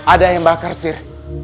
ada yang bakar sir